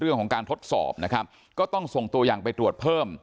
เรื่องของการทดสอบนะครับก็ต้องส่งตัวอย่างไปตรวจเพิ่ม